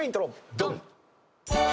ドン！